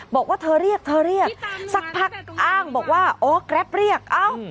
บอกว่าเธอเรียกสักพักอ้างบอกว่าอ๋อแกร็ฟเรียกเอ้า